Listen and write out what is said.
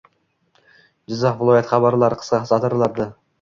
Jizzax viloyati xabarlari – qisqa satrlardang